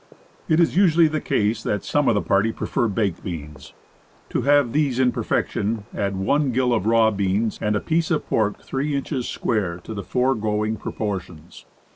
It is usually the case that some of the party prefer baked beans. To have these in perfection, add one gill of raw beans and a piece of pork three inches square to the foregoing proportions.